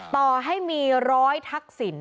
ต่อให้มี๑๐๐ทักษิณ